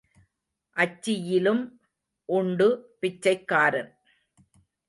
அச்சியிலும் உண்டு பிச்சைக்காரன்.